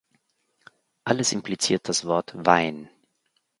Alles impliziert das Wort "Wein" .